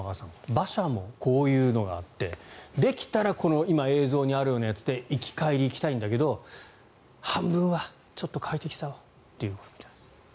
馬車もこういうのがあってできたら今映像にあるようなやつで行き帰り、行きたいんだけど半分は、ちょっと快適さをっていうことみたいです。